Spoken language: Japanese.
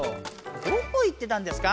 どこ行ってたんですか？